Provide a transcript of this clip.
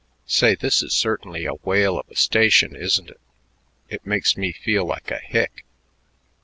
Say, this is certainly a whale of a station, isn't it? It makes me feel like a hick."